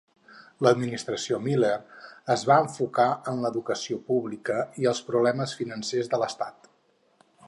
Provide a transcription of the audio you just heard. L'administració Miller es va enfocar en l'educació pública i els problemes financers de l'estat.